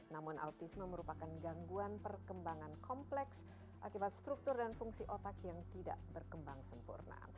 namun autisme merupakan gangguan perkembangan kompleks akibat struktur dan fungsi otak yang tidak berkembang sempurna